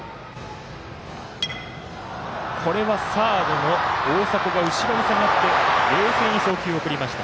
これはサードの大迫が後ろに下がって冷静に送球を送りました。